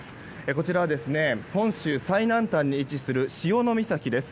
こちらは、本州最南端に位置する潮岬です。